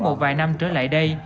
một vài năm trở lại đây